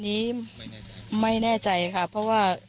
นี้ไม่แน่ใจค่ะเพราะว่า